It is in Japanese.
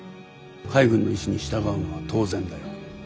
海軍の意志に従うのは当然だよ。